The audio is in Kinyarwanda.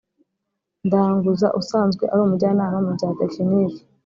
ndanguza usanzwe ari umujyanama mu bya tekinike